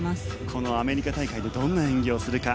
このアメリカ大会でどんな演技をするか。